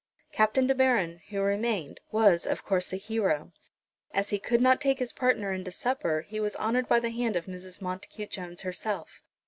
Captain De Baron, who remained, was, of course, a hero. As he could not take his partner into supper, he was honoured by the hand of Mrs. Montacute Jones herself.